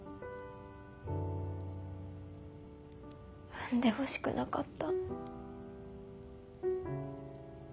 産んでほしくなかった。